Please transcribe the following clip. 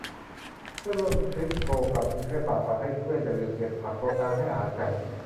เพื่อนร่วมทริป โทรกลับกรุงเทพ ฝากฝังให้เพื่อนอย่าลืมเก็บผัก รดน้ำ ให้อาหารไก่